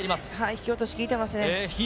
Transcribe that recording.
引き落とし、効いてますね。